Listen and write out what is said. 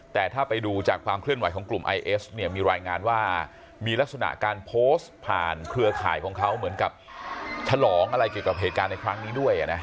แต่ถ้าไปดูจากความเคลื่อนไหวของกลุ่มไอเอสเนี่ยมีรายงานว่ามีลักษณะการโพสต์ผ่านเครือข่ายของเขาเหมือนกับฉลองอะไรเกี่ยวกับเหตุการณ์ในครั้งนี้ด้วยนะ